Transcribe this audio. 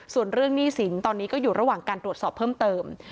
ส่วนเรื่องหนี้สินตอนนี้ก็อยู่ระหว่างการตรวจสอบเพิ่มเติม